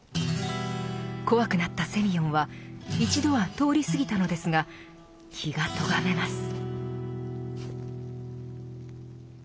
怖くなったセミヨンは一度は通り過ぎたのですが気がとがめます。